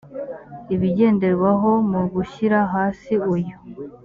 ibigenderwaho mu gushyira hasi uyu